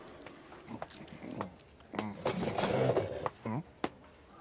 うん！？